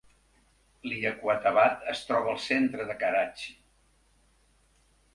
Liaquatabad es troba al centre de Karachi.